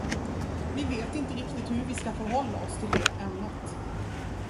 Vi vet inte riktigt hur vi ska förhålla oss till det ämnet.